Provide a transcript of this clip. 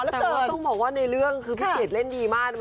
แต่ก็ต้องบอกว่าในเรื่องคือพี่เกดเล่นดีมาก